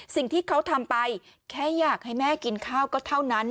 สิ่งที่เขาทำไปแค่อยากให้แม่กินข้าวก็เท่านั้น